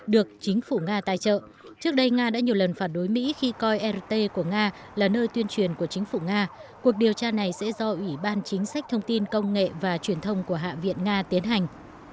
được chính phủ nga tài trợ trước đây nga đã nhiều lần phản đối mỹ khi coi rt của nga là nơi tuyên truyền của chính phủ nga cuộc điều tra này sẽ do ủy ban chính sách thông tin công nghệ và truyền thông của hạ viện nga tiến hành